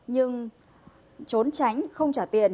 nhưng trốn tránh không trả tiền